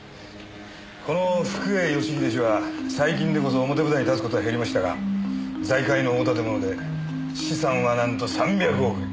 この福栄義英氏は最近でこそ表舞台に立つ事は減りましたが財界の大立者で資産はなんと３００億円！